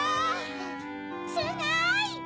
すごい！